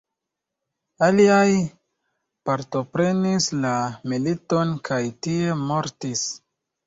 Aliaj partoprenis la militon kaj tie mortis.